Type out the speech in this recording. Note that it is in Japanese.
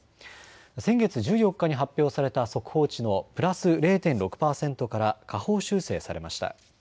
先月１４日に発表された速報値のプラス０．６％から下方修正されました。